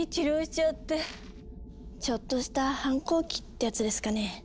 ちょっとした反抗期ってやつですかね？